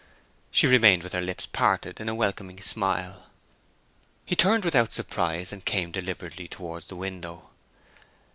She remained with her lips parted in a welcoming smile. He turned without surprise, and came deliberately towards the window.